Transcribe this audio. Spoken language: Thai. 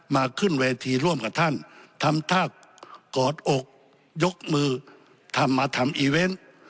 มาขึ้นเวทีร่วมกับท่านทำท่ากอดอกยกมือทำมาทำอีเวนต์